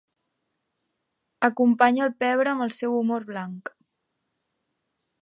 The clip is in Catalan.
Acompanya el pebre amb el seu humor blanc.